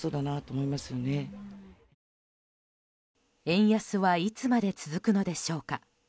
円安はいつまで続くのでしょうか。